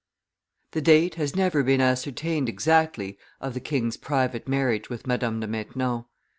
The date has never been ascertained exactly of the king's private marriage with Madame de Maintenon.